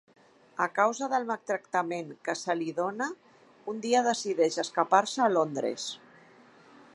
A causa del maltractament que se li dóna, un dia decideix escapar-se a Londres.